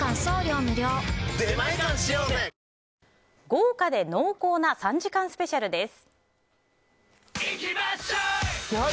豪華で濃厚な３時間スペシャルです。